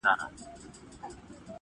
ته هم چایې په توده غېږ کي نیولی؟ -